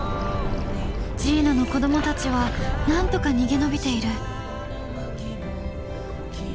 ジーナの子どもたちはなんとか逃げ延びている。